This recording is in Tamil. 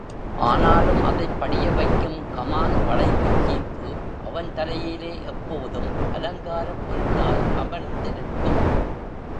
ஆனாலும் அதைப் படிய வைக்கும் கமான் வளைவுச் சீப்பு அவன் தலையிலே எப்போதும் அலங்காரப் பொருளாய் அமர்ந்திருக்கும்.